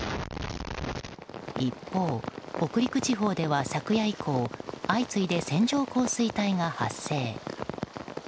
一方、北陸地方では昨夜以降相次いで線状降水帯が発生。